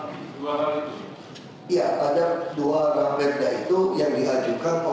ini ada yang beri tiga kartu